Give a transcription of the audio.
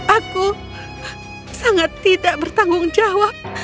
aku sangat tidak bertanggung jawab